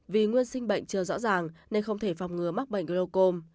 vì nguyên sinh bệnh chưa rõ ràng nên không thể phòng ngừa mắc bệnh glocom